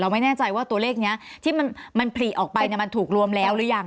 ไม่แน่ใจว่าตัวเลขนี้ที่มันผลิออกไปมันถูกรวมแล้วหรือยัง